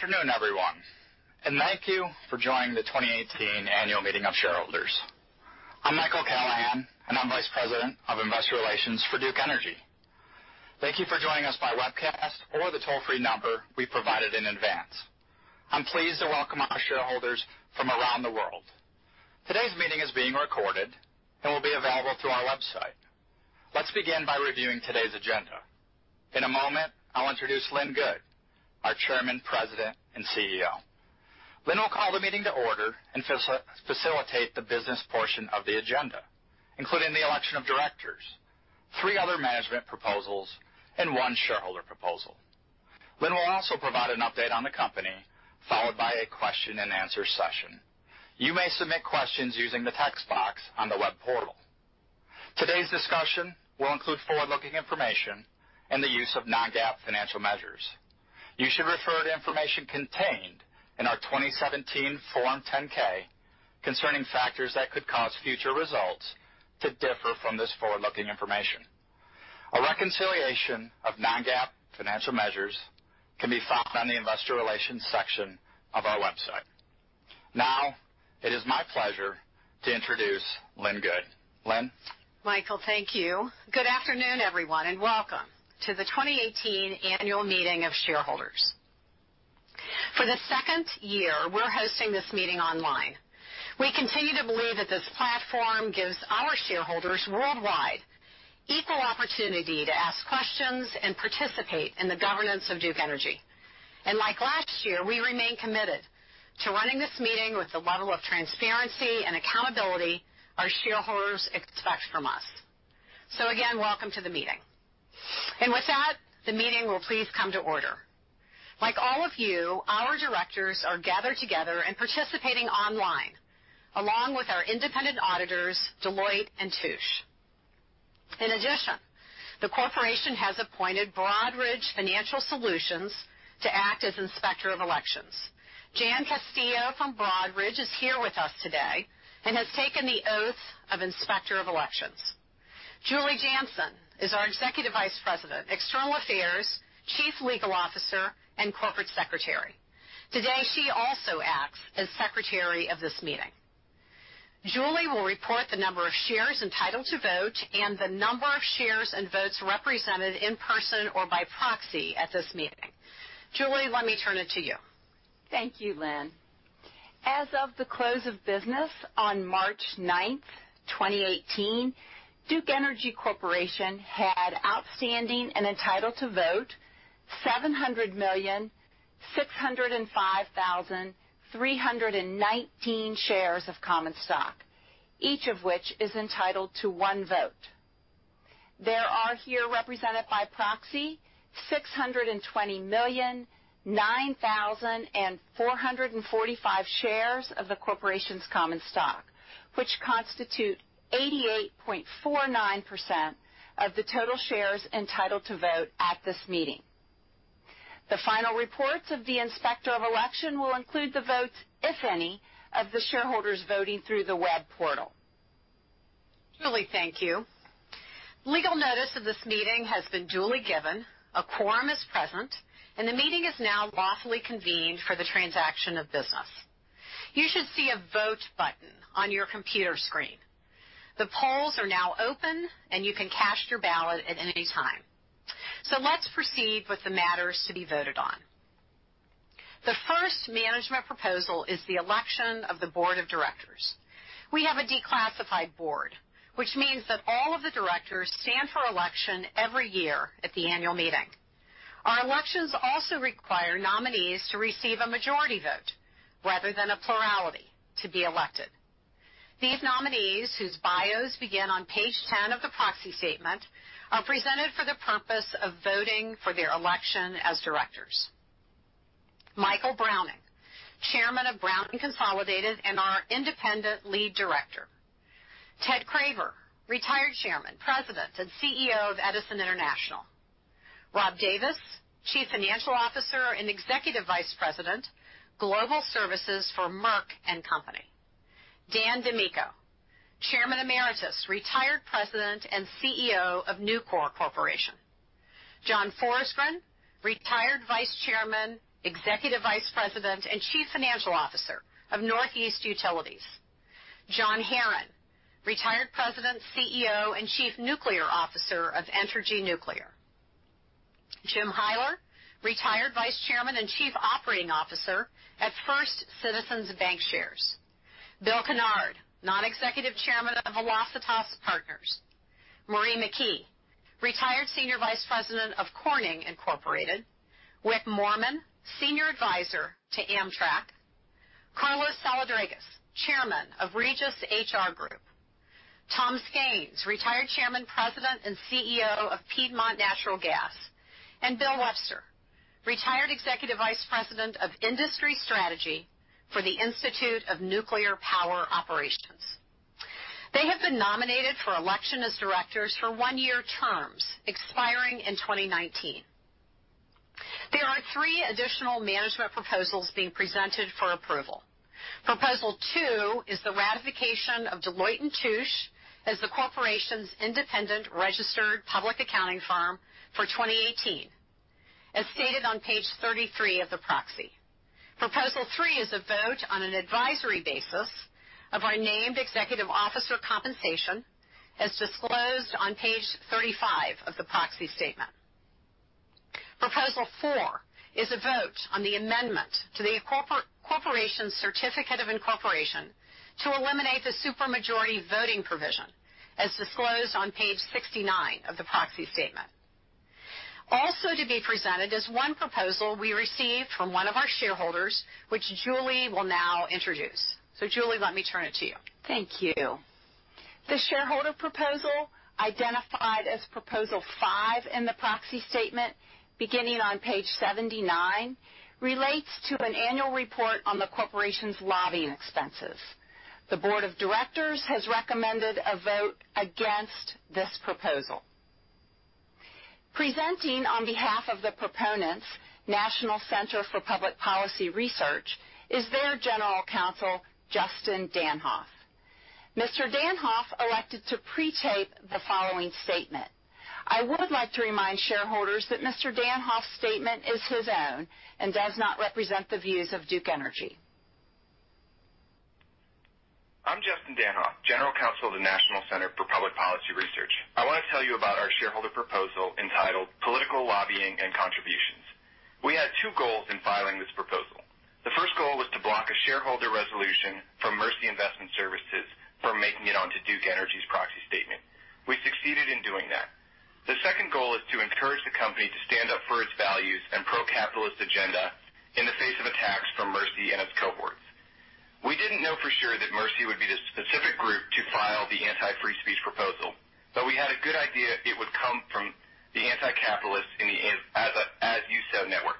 Good afternoon, everyone. Thank you for joining the 2018 Annual Meeting of Shareholders. I'm Michael Callahan, and I'm Vice President of Investor Relations for Duke Energy. Thank you for joining us by webcast or the toll-free number we provided in advance. I'm pleased to welcome our shareholders from around the world. Today's meeting is being recorded and will be available through our website. Let's begin by reviewing today's agenda. In a moment, I'll introduce Lynn Good, our Chairman, President, and CEO. Lynn will call the meeting to order and facilitate the business portion of the agenda, including the election of directors, 3 other management proposals, and 1 shareholder proposal. Lynn will also provide an update on the company, followed by a question-and-answer session. You may submit questions using the text box on the web portal. Today's discussion will include forward-looking information and the use of non-GAAP financial measures. You should refer to information contained in our 2017 Form 10-K concerning factors that could cause future results to differ from this forward-looking information. A reconciliation of non-GAAP financial measures can be found on the Investor Relations section of our website. It is my pleasure to introduce Lynn Good. Lynn? Michael, thank you. Good afternoon, everyone. Welcome to the 2018 Annual Meeting of Shareholders. For the second year, we're hosting this meeting online. We continue to believe that this platform gives our shareholders worldwide equal opportunity to ask questions and participate in the governance of Duke Energy. Like last year, we remain committed to running this meeting with the level of transparency and accountability our shareholders expect from us. Again, welcome to the meeting. With that, the meeting will please come to order. Like all of you, our directors are gathered together and participating online, along with our independent auditors, Deloitte & Touche. In addition, the corporation has appointed Broadridge Financial Solutions to act as Inspector of Elections. Jan Castillo from Broadridge is here with us today and has taken the oath of Inspector of Elections. Julie Janson is our Executive Vice President, External Affairs, Chief Legal Officer, and Corporate Secretary. Today, she also acts as Secretary of this meeting. Julie will report the number of shares entitled to vote and the number of shares and votes represented in person or by proxy at this meeting. Julie, let me turn it to you. Thank you, Lynn. As of the close of business on March 9th, 2018, Duke Energy Corporation had outstanding and entitled to vote 700,605,319 shares of common stock, each of which is entitled to one vote. There are here represented by proxy 620,009,445 shares of the corporation's common stock, which constitute 88.49% of the total shares entitled to vote at this meeting. The final reports of the Inspector of Election will include the votes, if any, of the shareholders voting through the web portal. Julie, thank you. Legal notice of this meeting has been duly given. A quorum is present, and the meeting is now lawfully convened for the transaction of business. You should see a Vote button on your computer screen. The polls are now open, and you can cast your ballot at any time. Let's proceed with the matters to be voted on. The first management proposal is the election of the Board of Directors. We have a declassified board, which means that all of the directors stand for election every year at the annual meeting. Our elections also require nominees to receive a majority vote rather than a plurality to be elected. These nominees, whose bios begin on page 10 of the proxy statement, are presented for the purpose of voting for their election as directors. Michael Browning, Chairman of Browning Consolidated and our independent lead director. Ted Craver, Retired Chairman, President, and CEO of Edison International. Rob Davis, Chief Financial Officer and Executive Vice President, Global Services for Merck & Company. Dan DiMicco, Chairman Emeritus, Retired President, and CEO of Nucor Corporation. John Forsgren, Retired Vice Chairman, Executive Vice President, and Chief Financial Officer of Northeast Utilities. John Herron, Retired President, CEO, and Chief Nuclear Officer of Entergy Nuclear. Jim Hyler, Retired Vice Chairman and Chief Operating Officer at First Citizens BancShares. Bill Kennard, Non-Executive Chairman of Velocitas Partners. Marie McKee, Retired Senior Vice President of Corning Incorporated. Wick Moorman, Senior Advisor to Amtrak. Carlos Saladrigas, Chairman of Regis HR Group. Tom Skains, Retired Chairman, President, and CEO of Piedmont Natural Gas. Bill Webster, Retired Executive Vice President of Industry Strategy for the Institute of Nuclear Power Operations. They have been nominated for election as directors for one-year terms expiring in 2019. There are three additional management proposals being presented for approval. Proposal two is the ratification of Deloitte & Touche as the corporation's independent registered public accounting firm for 2018, as stated on page 33 of the proxy. Proposal three is a vote on an advisory basis of our named executive officer compensation, as disclosed on page 35 of the proxy statement. Proposal four is a vote on the amendment to the corporation's certificate of incorporation to eliminate the super majority voting provision, as disclosed on page 69 of the proxy statement. Also to be presented is one proposal we received from one of our shareholders, which Julie will now introduce. Julie, let me turn it to you. Thank you. The shareholder proposal, identified as proposal five in the proxy statement beginning on page 79, relates to an annual report on the corporation's lobbying expenses. The board of directors has recommended a vote against this proposal. Presenting on behalf of the proponents National Center for Public Policy Research is their general counsel, Justin Danhof. Mr. Danhof elected to pre-tape the following statement. I would like to remind shareholders that Mr. Danhof's statement is his own and does not represent the views of Duke Energy. I'm Justin Danhof, general counsel of the National Center for Public Policy Research. I want to tell you about our shareholder proposal entitled Political Lobbying and Contributions. We had two goals in filing this proposal. The first goal was to block a shareholder resolution from Mercy Investment Services from making it onto Duke Energy's proxy statement. We succeeded in doing that. The second goal is to encourage the company to stand up for its values and pro-capitalist agenda in the face of attacks from Mercy and its cohorts. We didn't know for sure that Mercy would be the specific group to file the anti-free speech proposal, but we had a good idea it would come from the anti-capitalist in the As You Sow network.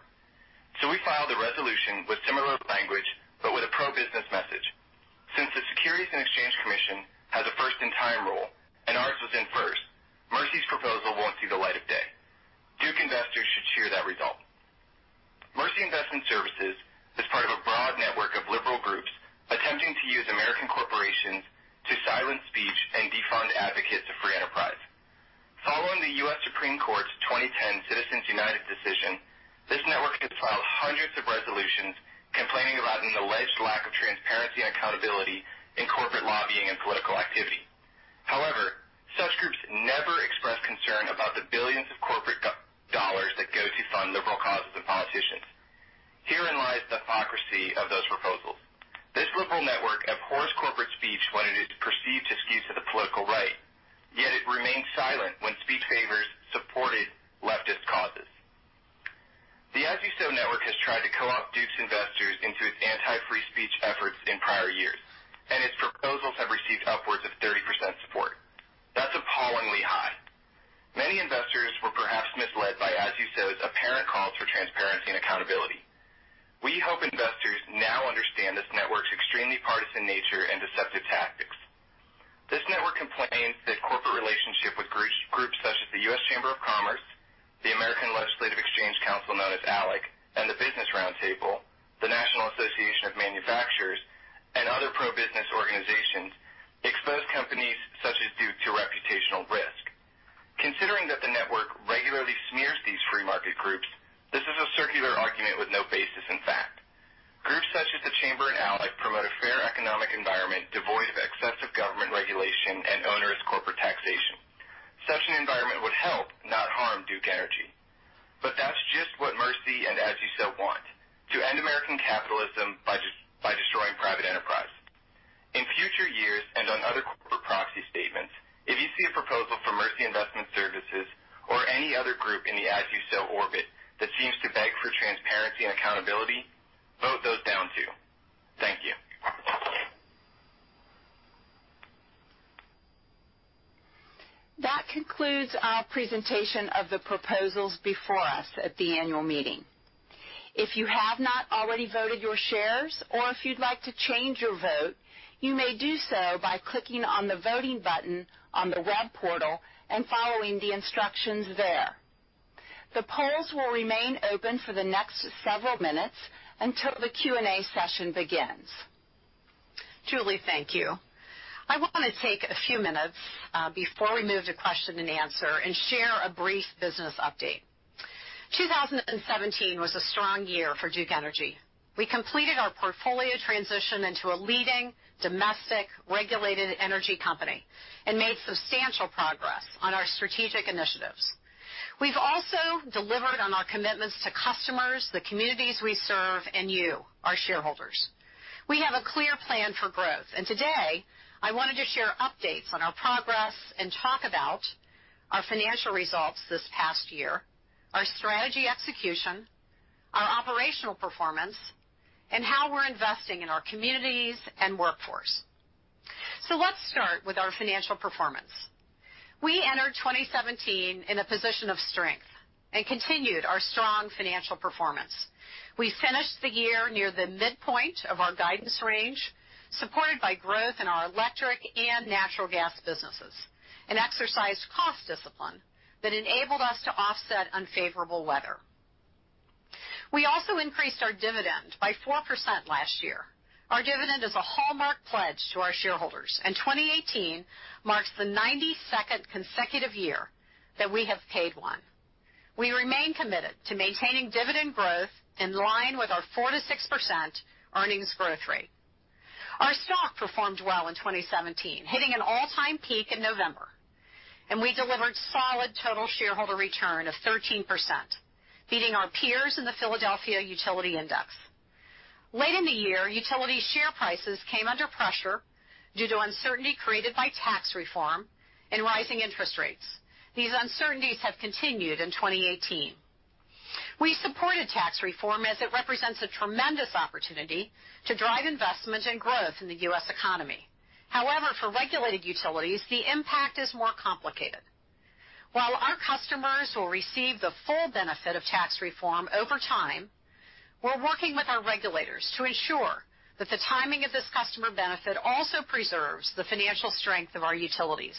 So we filed a resolution with similar language, but with a pro-business message. Since the Securities and Exchange Commission has a first-in-time rule, and ours was in first, Mercy's proposal won't see the light of day. Duke investors should cheer that result. Mercy Investment Services is part of a broad network of liberal groups attempting to use American corporations to silence speech and defund advocates of free enterprise. Following the U.S. Supreme Court's 2010 Citizens United decision, this network has filed hundreds of resolutions complaining about an alleged lack of transparency and accountability in corporate lobbying and political activity. However, such groups never expressed concern about the $billions of corporate dollars that go to fund liberal causes and politicians. Herein lies the hypocrisy of those proposals. This liberal network abhors corporate speech when it is perceived to skew to the political right, yet it remains silent when speech favors supported leftist causes. The As You Sow network has tried to co-opt Duke's investors into its anti-free speech efforts in prior years, and its proposals have received upwards of 30% support. That's appallingly high. Many investors were perhaps misled by As You Sow's apparent calls for transparency and accountability. We hope investors now understand this network's extremely partisan nature and deceptive tactics. This network complains that corporate relationship with groups such as the U.S. Chamber of Commerce, the American Legislative Exchange Council, known as ALEC, and the Business Roundtable, the National Association of Manufacturers, and other pro-business organizations expose companies such as Duke to reputational risk. Considering that the network regularly smears these free market groups, this is a circular argument with no basis in fact. Groups such as the Chamber and ALEC promote a fair economic environment devoid of excessive government regulation and onerous corporate taxation. Such an environment would help, not harm Duke Energy. That's just what Mercy and As You Sow want: to end American capitalism by destroying private enterprise. In future years, on other corporate proxy statements, if you see a proposal from Mercy Investment Services or any other group in the As You Sow orbit that seems to beg for transparency and accountability, vote those down, too. Thank you. That concludes our presentation of the proposals before us at the annual meeting. If you have not already voted your shares or if you'd like to change your vote, you may do so by clicking on the voting button on the web portal and following the instructions there. The polls will remain open for the next several minutes until the Q&A session begins. Julie, thank you. I want to take a few minutes before we move to question and answer, share a brief business update. 2017 was a strong year for Duke Energy. We completed our portfolio transition into a leading domestic regulated energy company and made substantial progress on our strategic initiatives. We've also delivered on our commitments to customers, the communities we serve, and you, our shareholders. We have a clear plan for growth. Today I wanted to share updates on our progress and talk about our financial results this past year, our strategy execution, our operational performance, and how we're investing in our communities and workforce. Let's start with our financial performance. We entered 2017 in a position of strength and continued our strong financial performance. We finished the year near the midpoint of our guidance range, supported by growth in our electric and natural gas businesses, exercised cost discipline that enabled us to offset unfavorable weather. We also increased our dividend by 4% last year. Our dividend is a hallmark pledge to our shareholders, and 2018 marks the 92nd consecutive year that we have paid one. We remain committed to maintaining dividend growth in line with our 4%-6% earnings growth rate. Our stock performed well in 2017, hitting an all-time peak in November. We delivered solid total shareholder return of 13%, beating our peers in the PHLX Utility Sector Index. Late in the year, utility share prices came under pressure due to uncertainty created by tax reform and rising interest rates. These uncertainties have continued in 2018. We supported tax reform as it represents a tremendous opportunity to drive investment and growth in the U.S. economy. For regulated utilities, the impact is more complicated. While our customers will receive the full benefit of tax reform over time, we're working with our regulators to ensure that the timing of this customer benefit also preserves the financial strength of our utilities.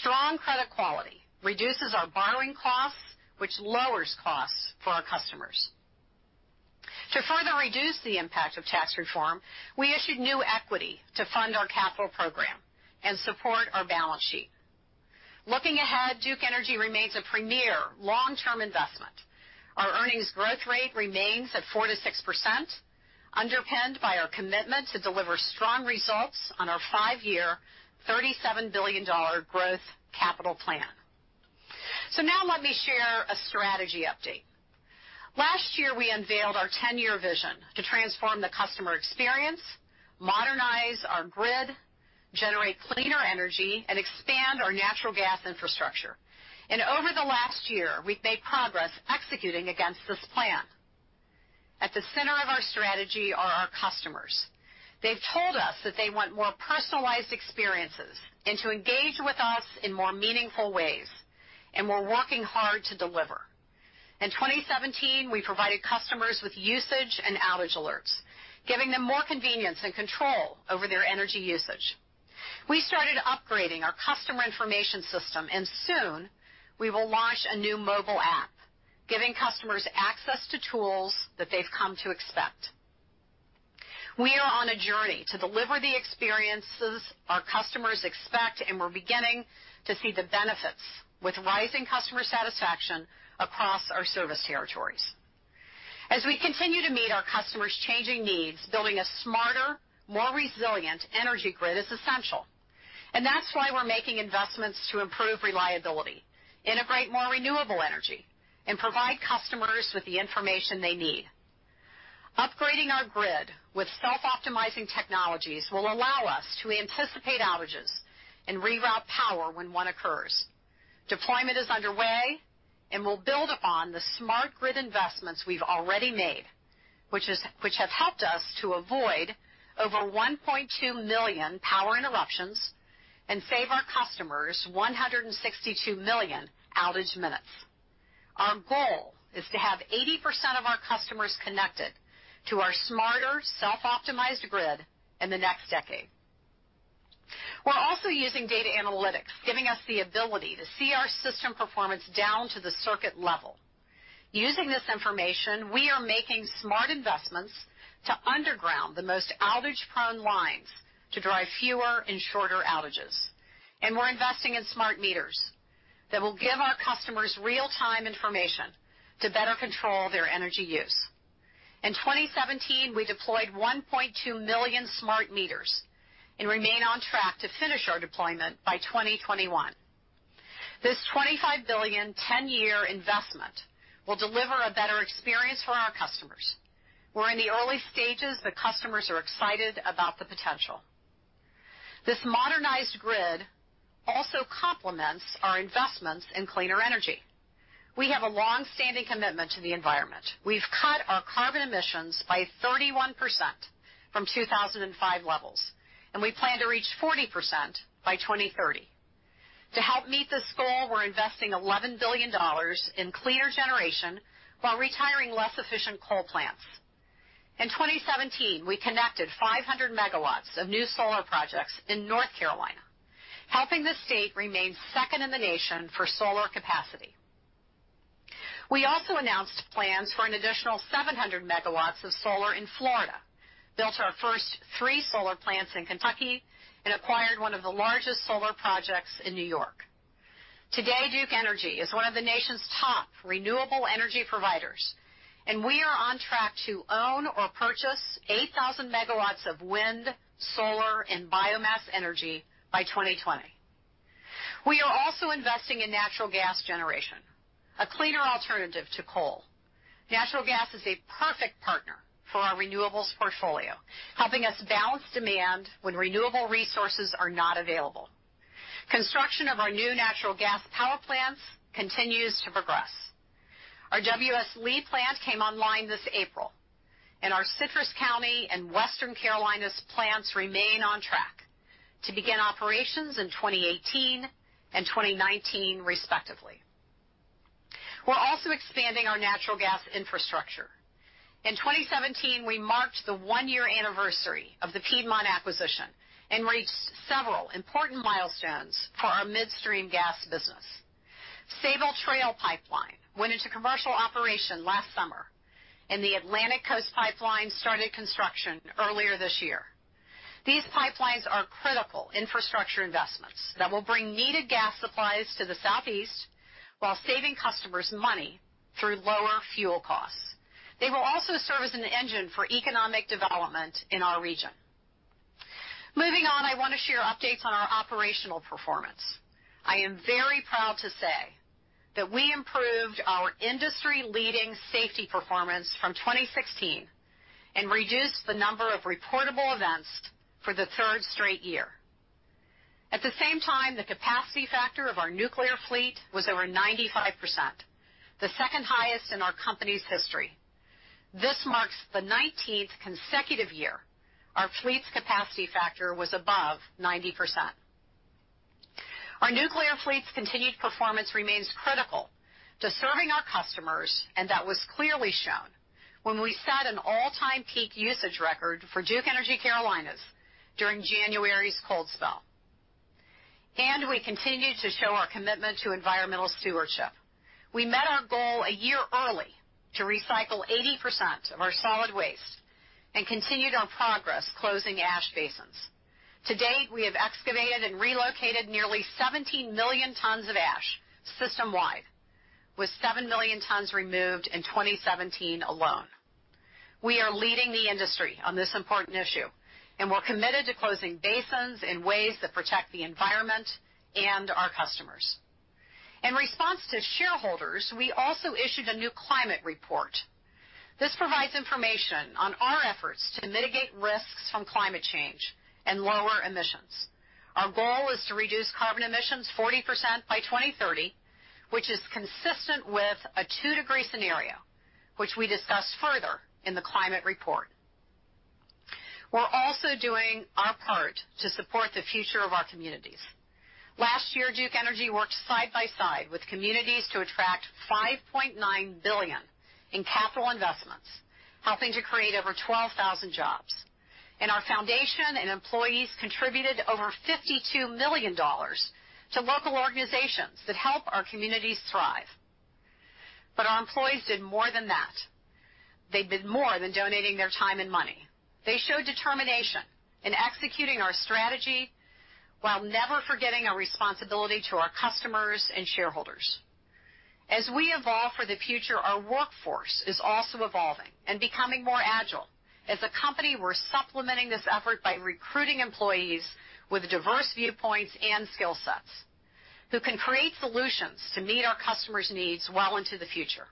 Strong credit quality reduces our borrowing costs, which lowers costs for our customers. To further reduce the impact of tax reform, we issued new equity to fund our capital program and support our balance sheet. Looking ahead, Duke Energy remains a premier long-term investment. Our earnings growth rate remains at 4%-6%, underpinned by our commitment to deliver strong results on our five-year $37 billion growth capital plan. Now let me share a strategy update. Last year, we unveiled our 10-year vision to transform the customer experience, modernize our grid, generate cleaner energy, and expand our natural gas infrastructure. Over the last year, we've made progress executing against this plan. At the center of our strategy are our customers. They've told us that they want more personalized experiences and to engage with us in more meaningful ways, we're working hard to deliver. In 2017, we provided customers with usage and outage alerts, giving them more convenience and control over their energy usage. We started upgrading our customer information system, soon we will launch a new mobile app, giving customers access to tools that they've come to expect. We are on a journey to deliver the experiences our customers expect, we're beginning to see the benefits with rising customer satisfaction across our service territories. As we continue to meet our customers' changing needs, building a smarter, more resilient energy grid is essential, that's why we're making investments to improve reliability, integrate more renewable energy, provide customers with the information they need. Upgrading our grid with self-optimizing technologies will allow us to anticipate outages and reroute power when one occurs. Deployment is underway, we'll build upon the smart grid investments we've already made, which have helped us to avoid over 1.2 million power interruptions and save our customers 162 million outage minutes. Our goal is to have 80% of our customers connected to our smarter, self-optimized grid in the next decade. We're also using data analytics, giving us the ability to see our system performance down to the circuit level. Using this information, we are making smart investments to underground the most outage-prone lines to drive fewer and shorter outages. We're investing in smart meters that will give our customers real-time information to better control their energy use. In 2017, we deployed 1.2 million smart meters, remain on track to finish our deployment by 2021. This $25 billion, 10-year investment will deliver a better experience for our customers. We're in the early stages, customers are excited about the potential. This modernized grid also complements our investments in cleaner energy. We have a long-standing commitment to the environment. We've cut our carbon emissions by 31% from 2005 levels, we plan to reach 40% by 2030. To help meet this goal, we're investing $11 billion in cleaner generation while retiring less efficient coal plants. In 2017, we connected 500 megawatts of new solar projects in North Carolina, helping the state remain second in the nation for solar capacity. We also announced plans for an additional 700 MW of solar in Florida, built our first three solar plants in Kentucky and acquired one of the largest solar projects in New York. Today, Duke Energy is one of the nation's top renewable energy providers, and we are on track to own or purchase 8,000 MW of wind, solar, and biomass energy by 2020. We are also investing in natural gas generation, a cleaner alternative to coal. Natural gas is a perfect partner for our renewables portfolio, helping us balance demand when renewable resources are not available. Construction of our new natural gas power plants continues to progress. Our W.S. Lee plant came online this April, our Citrus County and Western Carolinas plants remain on track to begin operations in 2018 and 2019, respectively. We're also expanding our natural gas infrastructure. In 2017, we marked the one-year anniversary of the Piedmont acquisition reached several important milestones for our midstream gas business. Sabal Trail Transmission went into commercial operation last summer, the Atlantic Coast Pipeline started construction earlier this year. These pipelines are critical infrastructure investments that will bring needed gas supplies to the Southeast while saving customers money through lower fuel costs. They will also serve as an engine for economic development in our region. Moving on, I want to share updates on our operational performance. I am very proud to say that we improved our industry-leading safety performance from 2016 reduced the number of reportable events for the third straight year. At the same time, the capacity factor of our nuclear fleet was over 95%, the second highest in our company's history. This marks the 19th consecutive year our fleet's capacity factor was above 90%. Our nuclear fleet's continued performance remains critical to serving our customers, that was clearly shown when we set an all-time peak usage record for Duke Energy Carolinas during January's cold spell. We continue to show our commitment to environmental stewardship. We met our goal a year early to recycle 80% of our solid waste continued our progress closing ash basins. To date, we have excavated and relocated nearly 17 million tons of ash system-wide, with seven million tons removed in 2017 alone. We are leading the industry on this important issue, we're committed to closing basins in ways that protect the environment and our customers. In response to shareholders, we also issued a new climate report. This provides information on our efforts to mitigate risks from climate change and lower emissions. Our goal is to reduce carbon emissions 40% by 2030, which is consistent with a two-degree scenario, which we discuss further in the climate report. We're also doing our part to support the future of our communities. Last year, Duke Energy worked side by side with communities to attract $5.9 billion in capital investments, helping to create over 12,000 jobs. Our foundation and employees contributed over $52 million to local organizations that help our communities thrive. Our employees did more than that. They did more than donating their time and money. They showed determination in executing our strategy while never forgetting our responsibility to our customers and shareholders. As we evolve for the future, our workforce is also evolving and becoming more agile. As a company, we're supplementing this effort by recruiting employees with diverse viewpoints and skill sets who can create solutions to meet our customers' needs well into the future.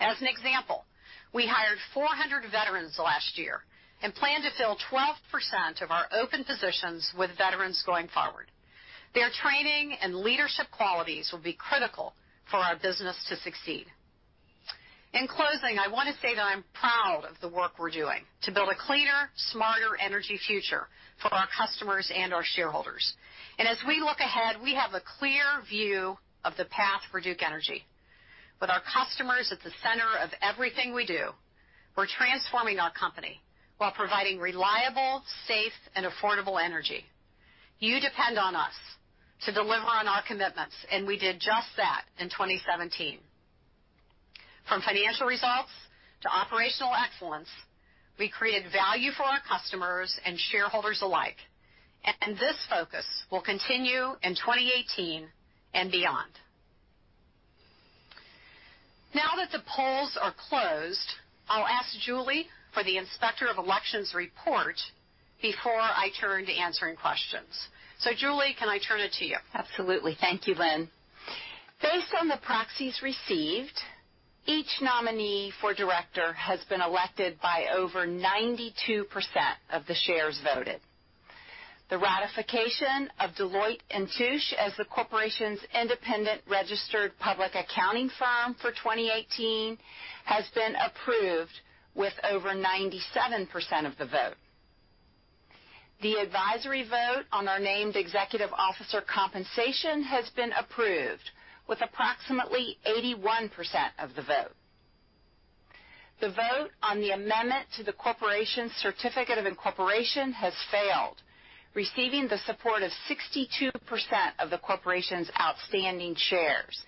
As an example, we hired 400 veterans last year and plan to fill 12% of our open positions with veterans going forward. Their training and leadership qualities will be critical for our business to succeed. In closing, I want to say that I'm proud of the work we're doing to build a cleaner, smarter energy future for our customers and our shareholders. As we look ahead, we have a clear view of the path for Duke Energy. With our customers at the center of everything we do, we're transforming our company while providing reliable, safe and affordable energy. You depend on us to deliver on our commitments, and we did just that in 2017. From financial results to operational excellence, we created value for our customers and shareholders alike, and this focus will continue in 2018 and beyond. Now that the polls are closed, I'll ask Julie for the Inspector of Elections report before I turn to answering questions. Julie, can I turn it to you? Absolutely. Thank you, Lynn. Based on the proxies received, each nominee for director has been elected by over 92% of the shares voted. The ratification of Deloitte & Touche as the corporation's independent registered public accounting firm for 2018 has been approved with over 97% of the vote. The advisory vote on our named executive officer compensation has been approved with approximately 81% of the vote. The vote on the amendment to the corporation's certificate of incorporation has failed, receiving the support of 62% of the corporation's outstanding shares.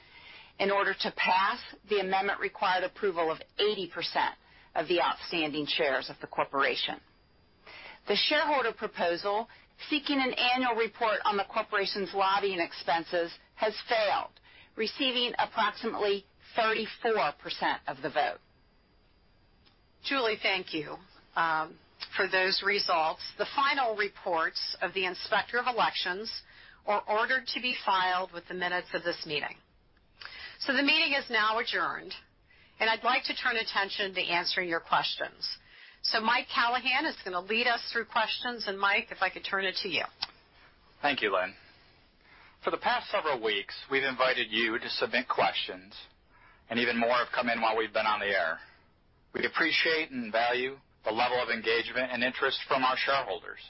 In order to pass, the amendment required approval of 80% of the outstanding shares of the corporation. The shareholder proposal seeking an annual report on the corporation's lobbying expenses has failed, receiving approximately 34% of the vote. Julie, thank you for those results. The final reports of the Inspector of Elections are ordered to be filed with the minutes of this meeting. The meeting is now adjourned, and I'd like to turn attention to answering your questions. Mike Callahan is going to lead us through questions. Mike, if I could turn it to you. Thank you, Lynn. For the past several weeks, we've invited you to submit questions, and even more have come in while we've been on the air. We appreciate and value the level of engagement and interest from our shareholders.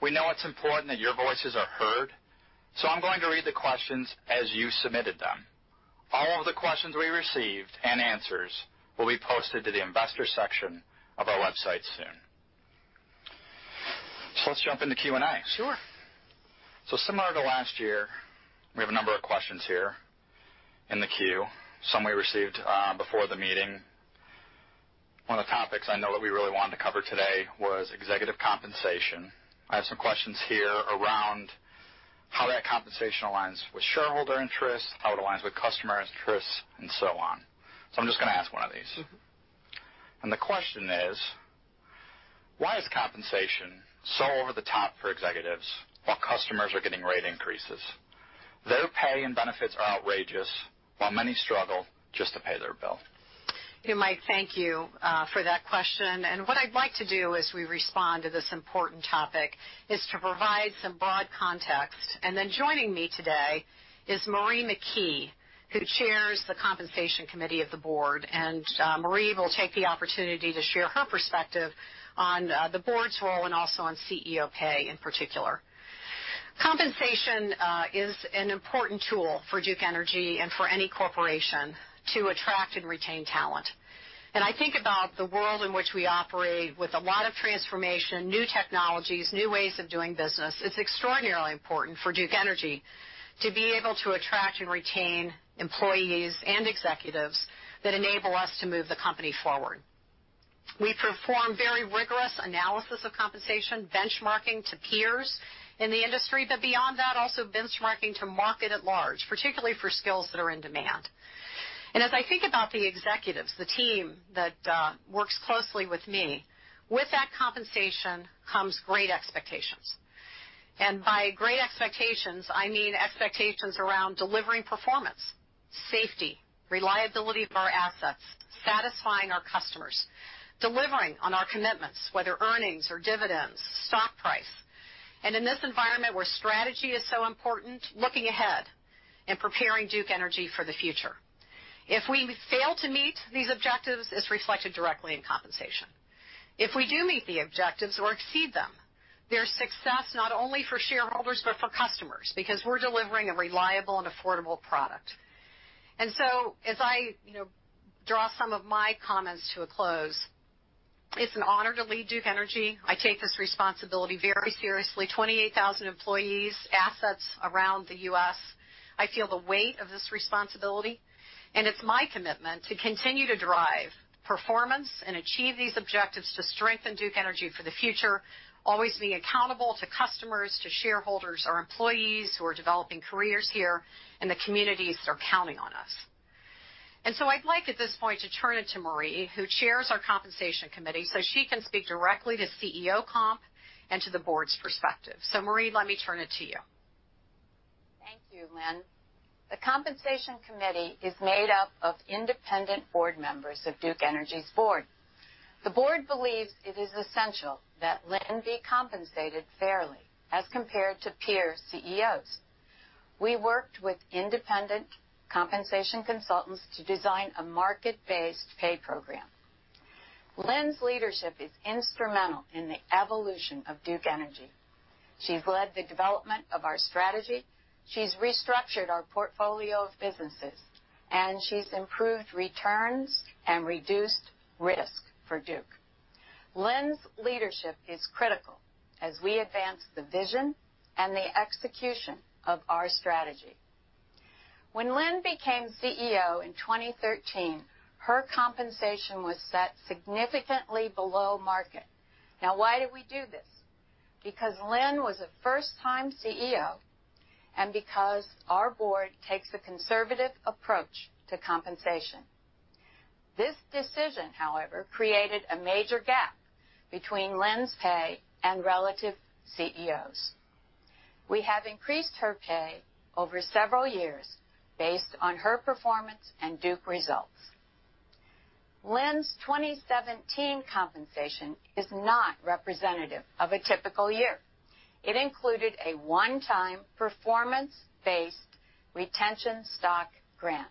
We know it's important that your voices are heard, so I'm going to read the questions as you submitted them. All of the questions we received, and answers, will be posted to the investor section of our website soon. Let's jump into Q&A. Sure. Similar to last year, we have a number of questions here in the queue, some we received before the meeting. One of the topics I know that we really wanted to cover today was executive compensation. I have some questions here around how that compensation aligns with shareholder interests, how it aligns with customer interests, and so on. I'm just going to ask one of these. The question is: why is compensation so over the top for executives while customers are getting rate increases? Their pay and benefits are outrageous while many struggle just to pay their bill. Mike, thank you for that question. What I'd like to do as we respond to this important topic is to provide some broad context. Then joining me today is Marie McKee, who chairs the compensation committee of the board, and Marie will take the opportunity to share her perspective on the board's role and also on CEO pay in particular. Compensation is an important tool for Duke Energy and for any corporation to attract and retain talent. I think about the world in which we operate with a lot of transformation, new technologies, new ways of doing business. It's extraordinarily important for Duke Energy to be able to attract and retain employees and executives that enable us to move the company forward. We perform very rigorous analysis of compensation, benchmarking to peers in the industry, but beyond that, also benchmarking to market at large, particularly for skills that are in demand. As I think about the executives, the team that works closely with me, with that compensation comes great expectations. By great expectations, I mean expectations around delivering performance, safety, reliability of our assets, satisfying our customers, delivering on our commitments, whether earnings or dividends, stock price. In this environment where strategy is so important, looking ahead and preparing Duke Energy for the future. If we fail to meet these objectives, it's reflected directly in compensation. If we do meet the objectives or exceed them, they're a success not only for shareholders, but for customers, because we're delivering a reliable and affordable product. As I draw some of my comments to a close, it's an honor to lead Duke Energy. I take this responsibility very seriously. 28,000 employees, assets around the U.S. It's my commitment to continue to drive performance and achieve these objectives to strengthen Duke Energy for the future, always be accountable to customers, to shareholders, our employees who are developing careers here, and the communities that are counting on us. I'd like at this point to turn it to Marie, who chairs our compensation committee, so she can speak directly to CEO comp and to the board's perspective. Marie, let me turn it to you. Thank you, Lynn. The compensation committee is made up of independent board members of Duke Energy's board. The board believes it is essential that Lynn be compensated fairly as compared to peer CEOs. We worked with independent compensation consultants to design a market-based pay program. Lynn's leadership is instrumental in the evolution of Duke Energy. She's led the development of our strategy. She's restructured our portfolio of businesses, she's improved returns and reduced risk for Duke. Lynn's leadership is critical as we advance the vision and the execution of our strategy. When Lynn became CEO in 2013, her compensation was set significantly below market. Why did we do this? Because Lynn was a first-time CEO, because our board takes a conservative approach to compensation. This decision, however, created a major gap between Lynn's pay and relative CEOs. We have increased her pay over several years based on her performance and Duke results. Lynn's 2017 compensation is not representative of a typical year. It included a one-time, performance-based retention stock grant.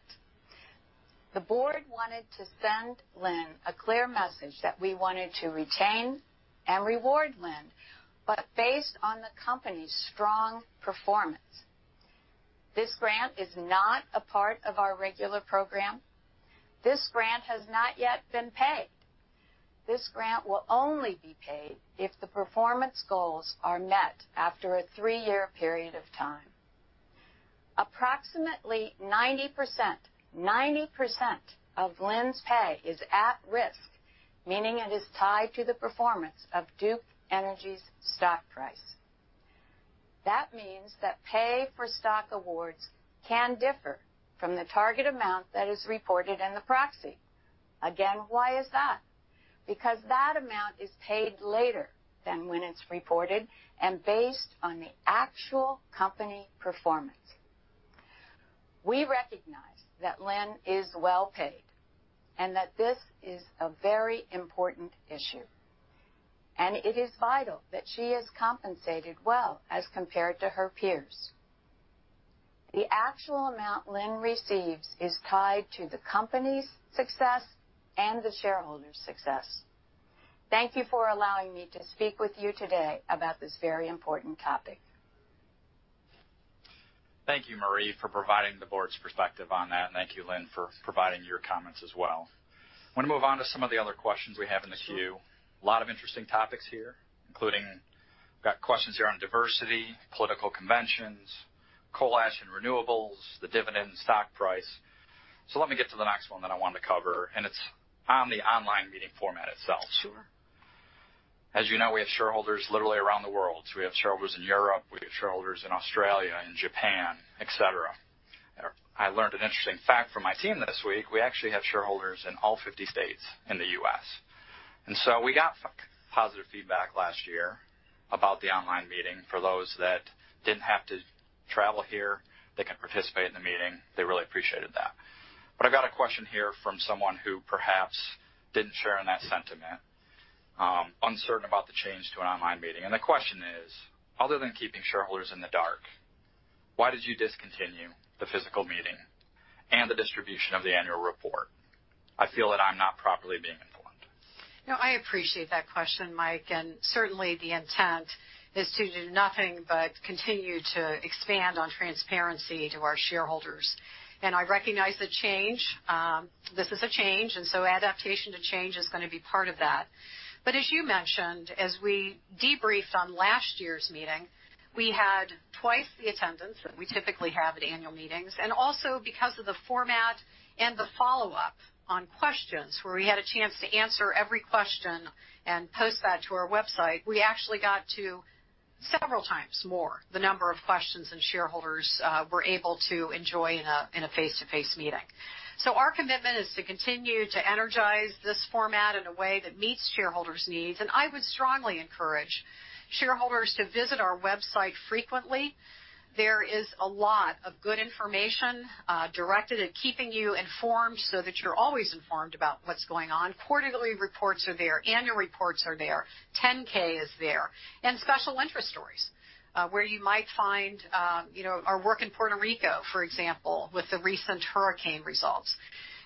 The board wanted to send Lynn a clear message that we wanted to retain and reward Lynn, based on the company's strong performance. This grant is not a part of our regular program. This grant has not yet been paid. This grant will only be paid if the performance goals are met after a three-year period of time. Approximately 90% of Lynn's pay is at risk, meaning it is tied to the performance of Duke Energy's stock price. That means that pay for stock awards can differ from the target amount that is reported in the proxy. Why is that? Because that amount is paid later than when it's reported, and based on the actual company performance. We recognize that Lynn is well paid and that this is a very important issue, and it is vital that she is compensated well as compared to her peers. The actual amount Lynn receives is tied to the company's success and the shareholders' success. Thank you for allowing me to speak with you today about this very important topic. Thank you, Marie, for providing the board's perspective on that, and thank you, Lynn, for providing your comments as well. I want to move on to some of the other questions we have in the queue. Sure. There are a lot of interesting topics here, including questions here on diversity, political conventions, coal ash and renewables, the dividend stock price. Let me get to the next one that I wanted to cover, and it's on the online meeting format itself. Sure. As you know, we have shareholders literally around the world. We have shareholders in Europe, we have shareholders in Australia and Japan, et cetera. I learned an interesting fact from my team this week. We actually have shareholders in all 50 states in the U.S. We got positive feedback last year about the online meeting for those that didn't have to travel here. They can participate in the meeting. They really appreciated that. I've got a question here from someone who perhaps didn't share in that sentiment, uncertain about the change to an online meeting. The question is, other than keeping shareholders in the dark, why did you discontinue the physical meeting and the distribution of the annual report? I feel that I'm not properly being informed. I appreciate that question, Mike. Certainly the intent is to do nothing but continue to expand on transparency to our shareholders. I recognize the change. This is a change, adaptation to change is going to be part of that. As you mentioned, as we debriefed on last year's meeting, we had twice the attendance that we typically have at annual meetings. Also because of the format and the follow-up on questions, where we had a chance to answer every question and post that to our website, we actually got to several times more the number of questions than shareholders were able to enjoy in a face-to-face meeting. Our commitment is to continue to energize this format in a way that meets shareholders' needs, and I would strongly encourage shareholders to visit our website frequently. There is a lot of good information directed at keeping you informed so that you're always informed about what's going on. Quarterly reports are there, annual reports are there, 10-K is there, and special interest stories where you might find our work in Puerto Rico, for example, with the recent hurricane results.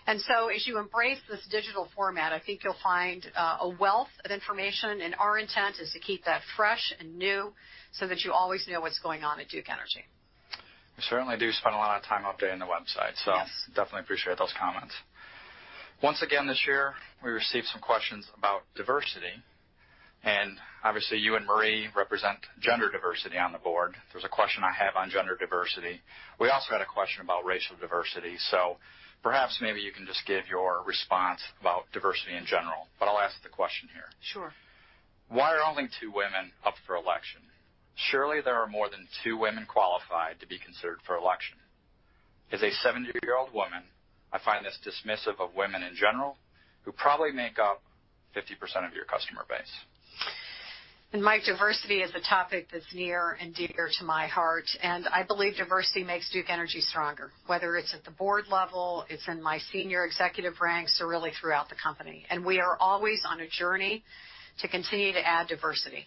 As you embrace this digital format, I think you'll find a wealth of information, and our intent is to keep that fresh and new so that you always know what's going on at Duke Energy. We certainly do spend a lot of time updating the website. Yes. Definitely appreciate those comments. Once again, this year, we received some questions about diversity. Obviously you and Marie represent gender diversity on the board. There is a question I have on gender diversity. We also had a question about racial diversity. Perhaps maybe you can just give your response about diversity in general, but I'll ask the question here. Sure. Why are only two women up for election? Surely there are more than two women qualified to be considered for election. As a 70-year-old woman, I find this dismissive of women in general who probably make up 50% of your customer base. Mike, diversity is a topic that's near and dear to my heart, and I believe diversity makes Duke Energy stronger, whether it's at the board level, it's in my senior executive ranks, or really throughout the company. We are always on a journey to continue to add diversity.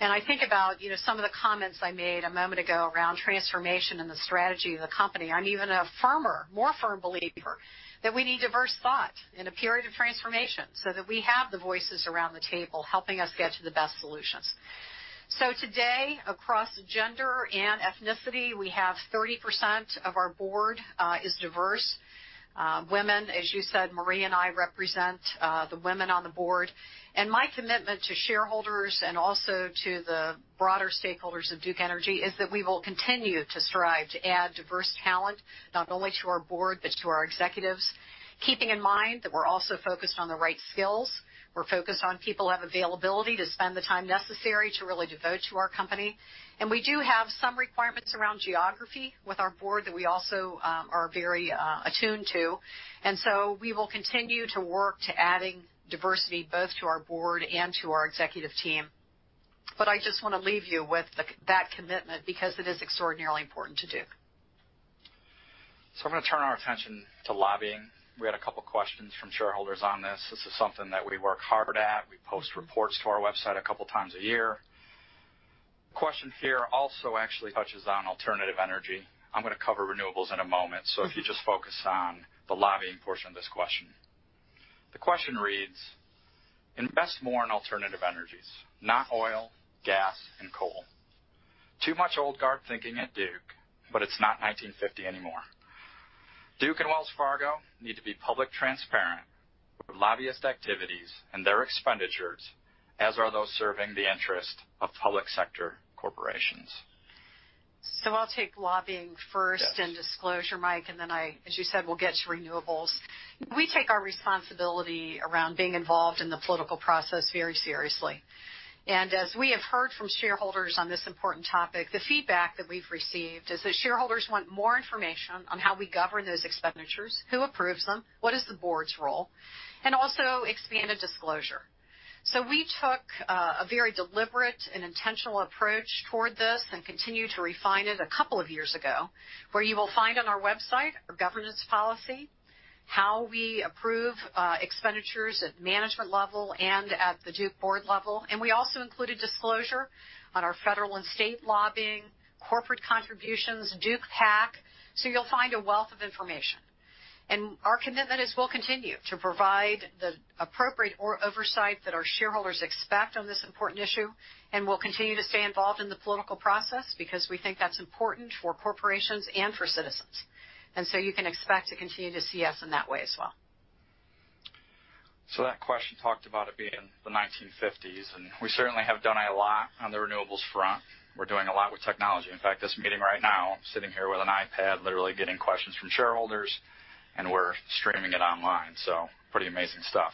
I think about some of the comments I made a moment ago around transformation and the strategy of the company. I'm even a more firm believer that we need diverse thought in a period of transformation so that we have the voices around the table helping us get to the best solutions. Today, across gender and ethnicity, we have 30% of our board is diverse. Women, as you said, Marie and I represent the women on the board. My commitment to shareholders and also to the broader stakeholders of Duke Energy is that we will continue to strive to add diverse talent, not only to our board, but to our executives, keeping in mind that we're also focused on the right skills. We're focused on people who have availability to spend the time necessary to really devote to our company. We do have some requirements around geography with our board that we also are very attuned to. We will continue to work to adding diversity both to our board and to our executive team. I just want to leave you with that commitment because it is extraordinarily important to do. I'm going to turn our attention to lobbying. We had a couple questions from shareholders on this. This is something that we work hard at. We post reports to our website a couple times a year. Question here also actually touches on alternative energy. I'm going to cover renewables in a moment. If you just focus on the lobbying portion of this question. The question reads, "Invest more in alternative energies, not oil, gas, and coal. Too much old guard thinking at Duke, but it's not 1950 anymore. Duke and Wells Fargo need to be public transparent with lobbyist activities and their expenditures, as are those serving the interest of public sector corporations. I'll take lobbying first. Yes Disclosure, Mike, as you said, we'll get to renewables. We take our responsibility around being involved in the political process very seriously. As we have heard from shareholders on this important topic, the feedback that we've received is that shareholders want more information on how we govern those expenditures, who approves them, what is the board's role, and also expanded disclosure. We took a very deliberate and intentional approach toward this and continued to refine it a couple of years ago, where you will find on our website our governance policy, how we approve expenditures at management level and at the Duke board level. We also include a disclosure on our federal and state lobbying, corporate contributions, Duke PAC, you'll find a wealth of information. Our commitment is we'll continue to provide the appropriate oversight that our shareholders expect on this important issue, and we'll continue to stay involved in the political process because we think that's important for corporations and for citizens. You can expect to continue to see us in that way as well. That question talked about it being the 1950s, and we certainly have done a lot on the renewables front. We're doing a lot with technology. In fact, this meeting right now, I'm sitting here with an iPad, literally getting questions from shareholders, and we're streaming it online. Pretty amazing stuff.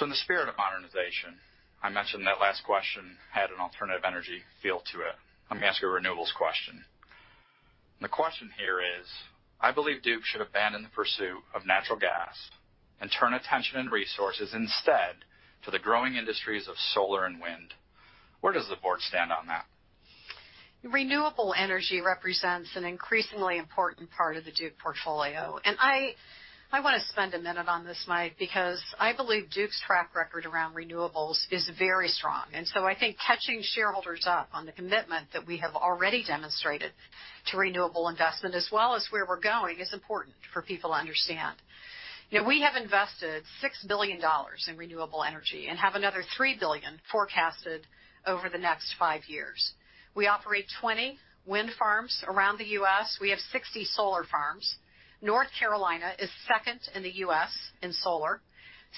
In the spirit of modernization, I mentioned that last question had an alternative energy feel to it. I'm going to ask you a renewables question. The question here is: I believe Duke should abandon the pursuit of natural gas and turn attention and resources instead to the growing industries of solar and wind. Where does the board stand on that? Renewable energy represents an increasingly important part of the Duke portfolio. I want to spend a minute on this, Mike, because I believe Duke's track record around renewables is very strong. I think catching shareholders up on the commitment that we have already demonstrated to renewable investment as well as where we're going is important for people to understand. We have invested $6 billion in renewable energy and have another $3 billion forecasted over the next five years. We operate 20 wind farms around the U.S. We have 60 solar farms. North Carolina is second in the U.S. in solar.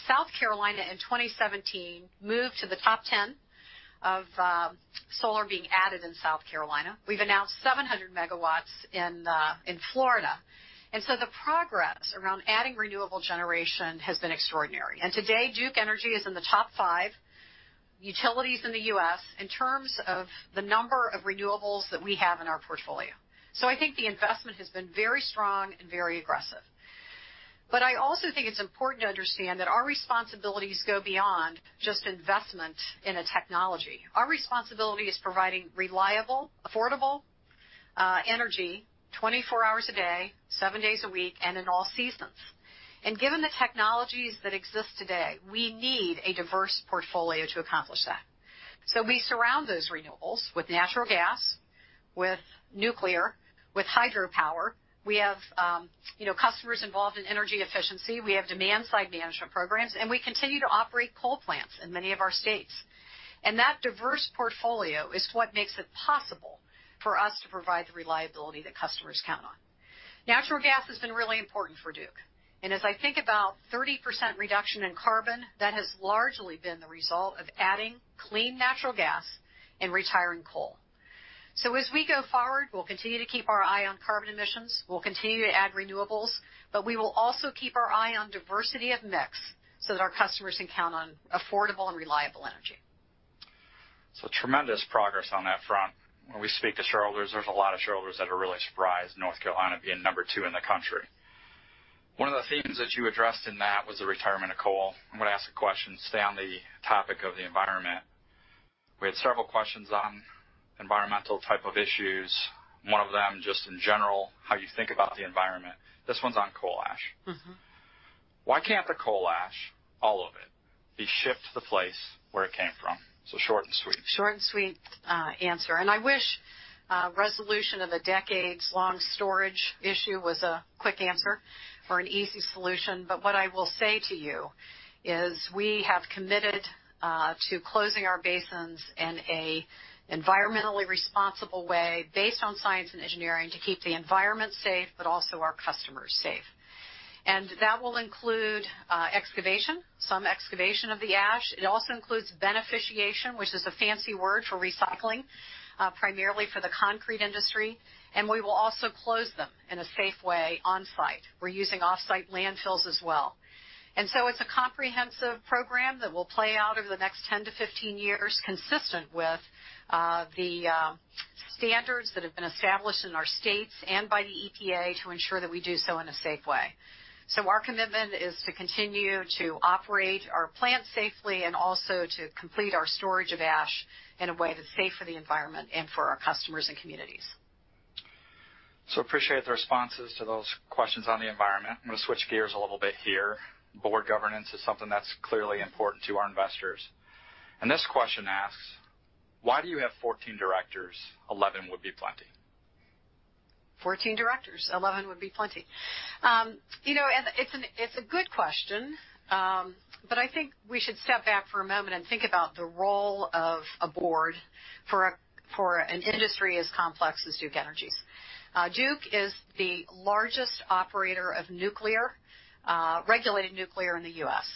South Carolina in 2017 moved to the top 10 of solar being added in South Carolina. We've announced 700 megawatts in Florida. The progress around adding renewable generation has been extraordinary. Today, Duke Energy is in the top five utilities in the U.S. in terms of the number of renewables that we have in our portfolio. I think the investment has been very strong and very aggressive. I also think it's important to understand that our responsibilities go beyond just investment in a technology. Our responsibility is providing reliable, affordable energy 24 hours a day, seven days a week, and in all seasons. Given the technologies that exist today, we need a diverse portfolio to accomplish that. We surround those renewables with natural gas, with nuclear, with hydropower. We have customers involved in energy efficiency. We have demand-side management programs, and we continue to operate coal plants in many of our states. That diverse portfolio is what makes it possible for us to provide the reliability that customers count on. Natural gas has been really important for Duke, and as I think about 30% reduction in carbon, that has largely been the result of adding clean natural gas and retiring coal. As we go forward, we'll continue to keep our eye on carbon emissions. We'll continue to add renewables, but we will also keep our eye on diversity of mix so that our customers can count on affordable and reliable energy. Tremendous progress on that front. When we speak to shareholders, there's a lot of shareholders that are really surprised North Carolina being number two in the country. One of the themes that you addressed in that was the retirement of coal. I'm going to ask a question, stay on the topic of the environment. We had several questions on environmental type of issues, and one of them, just in general, how you think about the environment. This one's on coal ash. Why can't the coal ash, all of it, be shipped to the place where it came from? Short and sweet. Short and sweet answer. I wish resolution of the decades-long storage issue was a quick answer or an easy solution. What I will say to you is we have committed to closing our basins in an environmentally responsible way based on science and engineering to keep the environment safe, but also our customers safe. That will include excavation, some excavation of the ash. It also includes beneficiation, which is a fancy word for recycling, primarily for the concrete industry, and we will also close them in a safe way on-site. We're using off-site landfills as well. It's a comprehensive program that will play out over the next 10 to 15 years, consistent with the standards that have been established in our states and by the EPA to ensure that we do so in a safe way. Our commitment is to continue to operate our plant safely and also to complete our storage of ash in a way that's safe for the environment and for our customers and communities. Appreciate the responses to those questions on the environment. I'm going to switch gears a little bit here. Board governance is something that's clearly important to our investors. This question asks: why do you have 14 directors? 11 would be plenty. 14 directors. 11 would be plenty. It's a good question, but I think we should step back for a moment and think about the role of a board for an industry as complex as Duke Energy's. Duke is the largest operator of regulated nuclear in the U.S.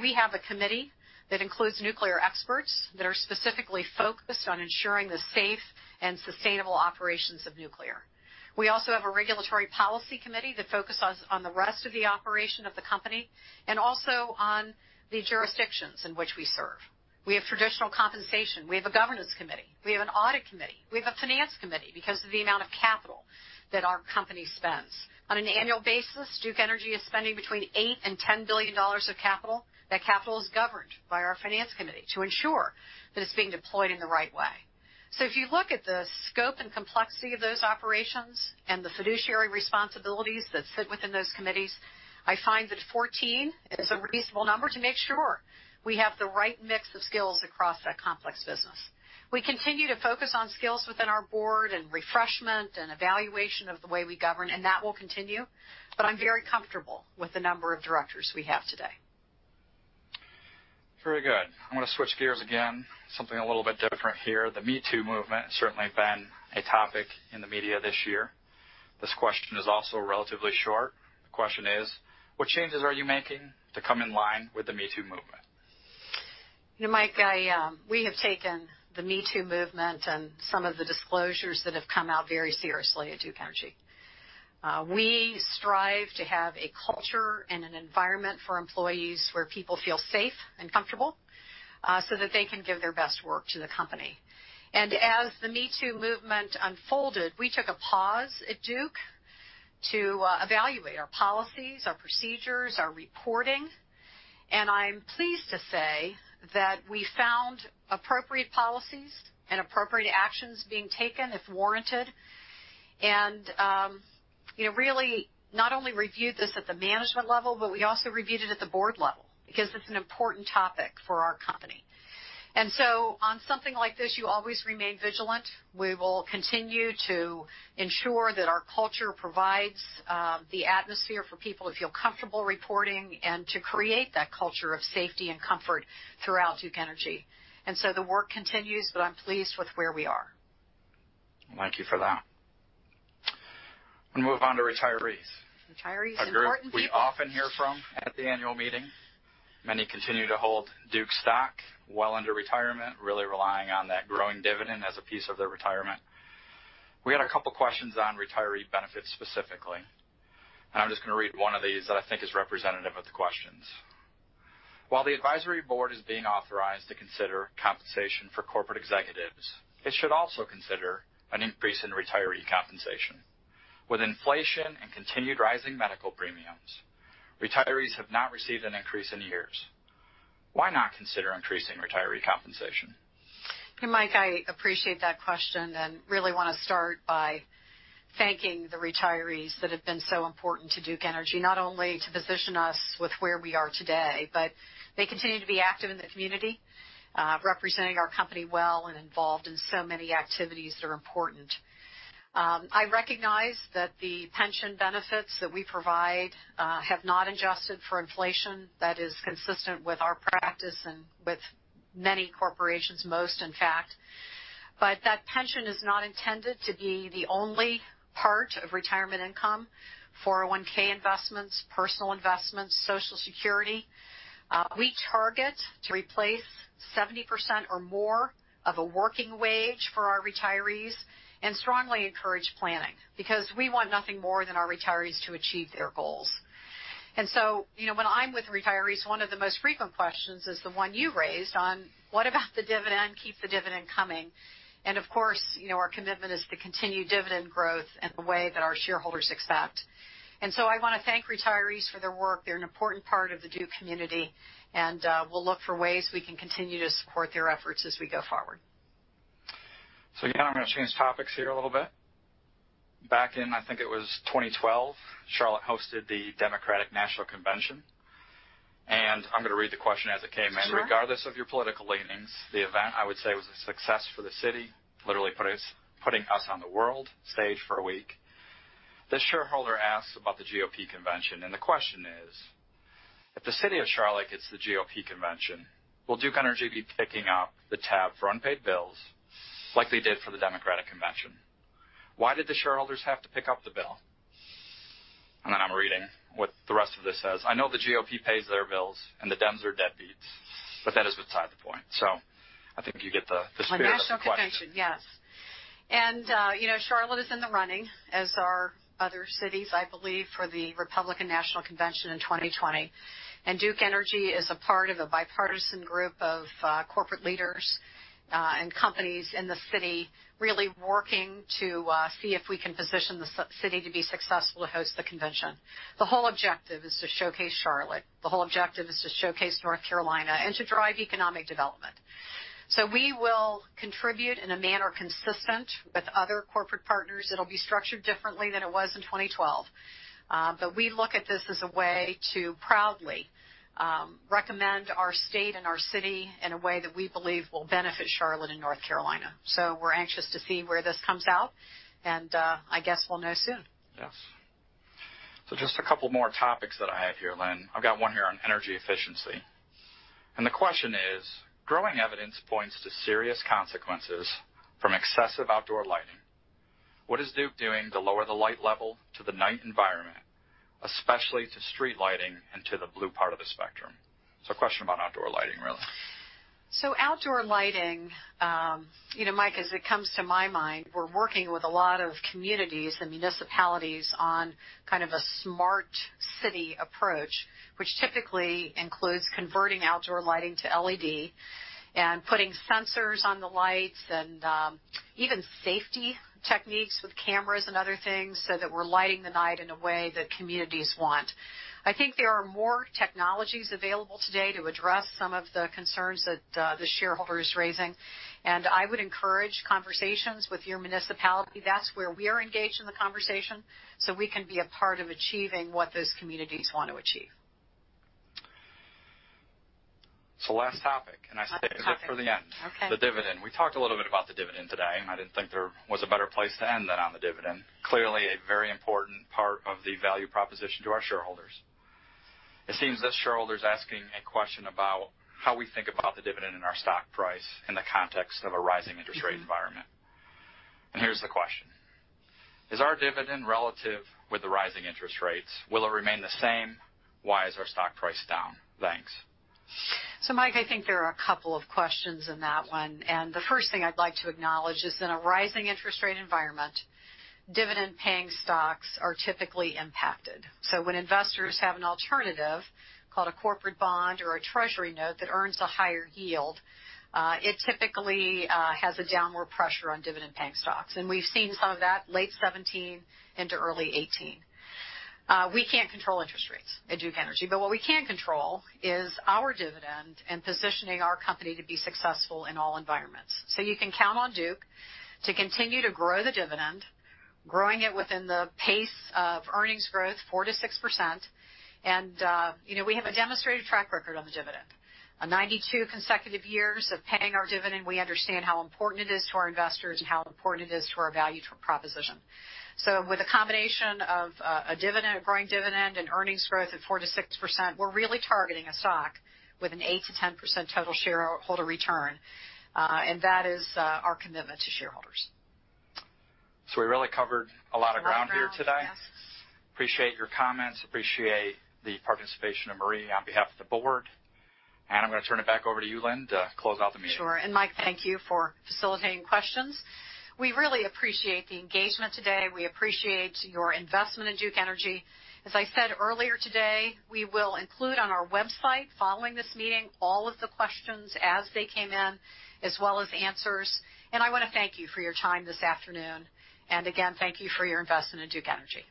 We have a committee that includes nuclear experts that are specifically focused on ensuring the safe and sustainable operations of nuclear. We also have a regulatory policy committee that focuses on the rest of the operation of the company and also on the jurisdictions in which we serve. We have traditional compensation. We have a governance committee. We have an audit committee. We have a finance committee because of the amount of capital that our company spends. On an annual basis, Duke Energy is spending between $8 billion and $10 billion of capital. That capital is governed by our finance committee to ensure that it's being deployed in the right way. If you look at the scope and complexity of those operations and the fiduciary responsibilities that sit within those committees, I find that 14 is a reasonable number to make sure we have the right mix of skills across that complex business. We continue to focus on skills within our board and refreshment and evaluation of the way we govern, and that will continue. But I'm very comfortable with the number of directors we have today. Very good. I'm going to switch gears again. Something a little bit different here. The Me Too movement certainly been a topic in the media this year. This question is also relatively short. The question is, what changes are you making to come in line with the Me Too movement? Mike, we have taken the Me Too movement and some of the disclosures that have come out very seriously at Duke Energy. We strive to have a culture and an environment for employees where people feel safe and comfortable so that they can give their best work to the company. As the Me Too movement unfolded, we took a pause at Duke to evaluate our policies, our procedures, our reporting. I'm pleased to say that we found appropriate policies and appropriate actions being taken, if warranted. We not only reviewed this at the management level, but we also reviewed it at the board level because it's an important topic for our company. On something like this, you always remain vigilant. We will continue to ensure that our culture provides the atmosphere for people to feel comfortable reporting and to create that culture of safety and comfort throughout Duke Energy. The work continues, but I'm pleased with where we are. Thank you for that. We move on to retirees. Retirees are important people. A group we often hear from at the annual meeting. Many continue to hold Duke stock well into retirement, really relying on that growing dividend as a piece of their retirement. We had a couple questions on retiree benefits specifically, I'm just going to read one of these that I think is representative of the questions. While the advisory board is being authorized to consider compensation for corporate executives, it should also consider an increase in retiree compensation. With inflation and continued rising medical premiums, retirees have not received an increase in years. Why not consider increasing retiree compensation? Mike, I appreciate that question and really want to start by thanking the retirees that have been so important to Duke Energy, not only to position us with where we are today, but they continue to be active in the community representing our company well, and involved in so many activities that are important. I recognize that the pension benefits that we provide have not adjusted for inflation. That is consistent with our practice and with many corporations, most in fact. That pension is not intended to be the only part of retirement income, 401 investments, personal investments, Social Security. We target to replace 70% or more of a working wage for our retirees and strongly encourage planning because we want nothing more than our retirees to achieve their goals. When I'm with retirees, one of the most frequent questions is the one you raised on, what about the dividend? Keep the dividend coming. Of course, our commitment is to continue dividend growth in the way that our shareholders expect. I want to thank retirees for their work. They're an important part of the Duke community, and we'll look for ways we can continue to support their efforts as we go forward. Again, I'm going to change topics here a little bit. Back in, I think it was 2012, Charlotte hosted the Democratic National Convention. I'm going to read the question as it came in. Sure. Regardless of your political leanings, the event, I would say, was a success for the city, literally putting us on the world stage for a week. This shareholder asks about the GOP convention, and the question is: If the city of Charlotte gets the GOP convention, will Duke Energy be picking up the tab for unpaid bills like they did for the Democratic Convention? Why did the shareholders have to pick up the bill? Then I'm reading what the rest of this says. I know the GOP pays their bills and the Dems are deadbeats, that doesn't decide the point. I think you get the spirit of the question. A national convention. Yes. Charlotte is in the running, as are other cities, I believe, for the Republican National Convention in 2020. Duke Energy is a part of a bipartisan group of corporate leaders and companies in the city, really working to see if we can position the city to be successful to host the convention. The whole objective is to showcase Charlotte. The whole objective is to showcase North Carolina and to drive economic development. We will contribute in a manner consistent with other corporate partners. It'll be structured differently than it was in 2012. We look at this as a way to proudly recommend our state and our city in a way that we believe will benefit Charlotte and North Carolina. We're anxious to see where this comes out, and I guess we'll know soon. Yes. Just a couple more topics that I have here, Lynn. I've got one here on energy efficiency, and the question is, growing evidence points to serious consequences from excessive outdoor lighting. What is Duke doing to lower the light level to the night environment, especially to street lighting and to the blue part of the spectrum? It's a question about outdoor lighting, really. Outdoor lighting, Mike, as it comes to my mind, we're working with a lot of communities and municipalities on kind of a smart city approach, which typically includes converting outdoor lighting to LED and putting sensors on the lights, and even safety techniques with cameras and other things so that we're lighting the night in a way that communities want. I think there are more technologies available today to address some of the concerns that the shareholder is raising, and I would encourage conversations with your municipality. That's where we are engaged in the conversation so we can be a part of achieving what those communities want to achieve. Last topic, and I saved the best for the end. Okay. The dividend. We talked a little bit about the dividend today, I didn't think there was a better place to end than on the dividend. Clearly, a very important part of the value proposition to our shareholders. It seems this shareholder's asking a question about how we think about the dividend and our stock price in the context of a rising interest rate environment. Here's the question. "Is our dividend relative with the rising interest rates? Will it remain the same? Why is our stock price down? Thanks. Mike, I think there are a couple of questions in that one. The first thing I'd like to acknowledge is in a rising interest rate environment, dividend-paying stocks are typically impacted. When investors have an alternative called a corporate bond or a treasury note that earns a higher yield, it typically has a downward pressure on dividend-paying stocks. We've seen some of that late 2017 into early 2018. We can't control interest rates at Duke Energy, what we can control is our dividend and positioning our company to be successful in all environments. You can count on Duke to continue to grow the dividend, growing it within the pace of earnings growth 4%-6%. We have a demonstrated track record on the dividend. 92 consecutive years of paying our dividend. We understand how important it is to our investors and how important it is to our value proposition. With a combination of a growing dividend and earnings growth at 4%-6%, we're really targeting a stock with an 8%-10% total shareholder return. That is our commitment to shareholders. We really covered a lot of ground here today. Appreciate your comments, appreciate the participation of Marie on behalf of the board. I'm going to turn it back over to you, Lynn, to close out the meeting. Sure. Mike, thank you for facilitating questions. We really appreciate the engagement today. We appreciate your investment in Duke Energy. As I said earlier today, we will include on our website following this meeting all of the questions as they came in, as well as answers. I want to thank you for your time this afternoon, and again, thank you for your investment in Duke Energy.